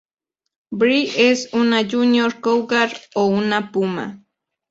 Bree es una "Junior Cougar" o una "Puma".